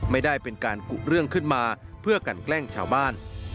ไม่ได้เป็นการกุเรื่องขึ้นมาเพื่อกันแกล้งชาวบ้าน